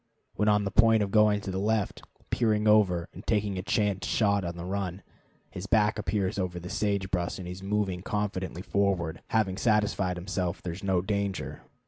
When on the point of going to the left, peering over, and taking a chance shot on the run, his back appears over the sage brush and he is moving confidently forward, having satisfied himself there is no danger.